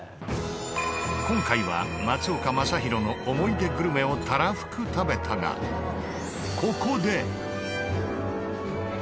今回は松岡昌宏の思い出グルメをたらふく食べたがここで。